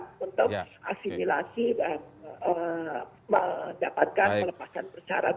itu mestinya ya diberikan kesempatan untuk asimilasi dan mendapatkan pelepasan bersyarat